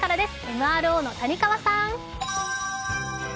ＭＲＯの谷川さん。